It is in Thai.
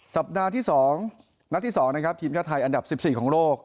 สัปดาห์ที่๒นัดที่๒นะครับทีมชาติไทยอันดับ๑๔ของโลก